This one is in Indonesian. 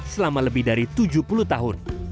selama lebih dari tujuh puluh tahun